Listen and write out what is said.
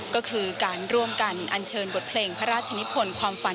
ก็คือการร่วมกันอันเชินบทเพลงพระราชชนะีพล